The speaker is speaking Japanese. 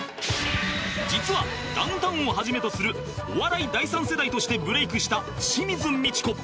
実はダウンタウンをはじめとするお笑い第３世代としてブレイクした清水ミチコ